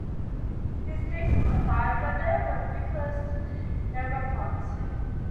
His thesis advisor there was Nicholas Negroponte.